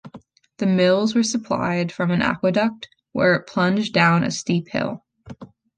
The mills were supplied from an aqueduct, where it plunged down a steep hill.